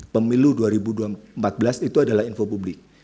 pemilu dua ribu empat belas itu adalah info publik